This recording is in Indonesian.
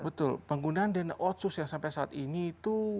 betul penggunaan dan outsource yang sampai saat ini itu